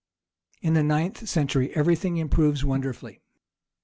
In the ninth century everything improves wonderfully.